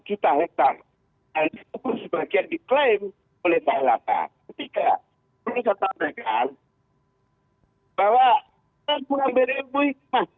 ketiga perlu saya sampaikan bahwa saya tidak berhenti